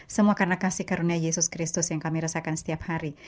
semua karena kasih karunia yesus kristus yang kami rasakan setiap hari